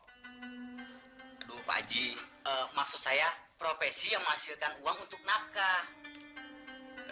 aduh paji maksud saya profesi yang menghasilkan uang untuk nafkah